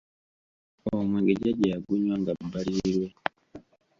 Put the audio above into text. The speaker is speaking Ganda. Omwenge jjaja yagunywanga bbalirirwe.